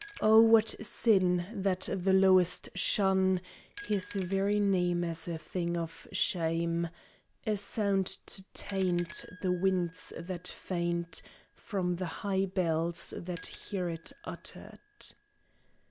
Oh, what sin, that the lowest shun His very name as a thing of shame A sound to taint The winds that faint From the high bells that hear it uttered!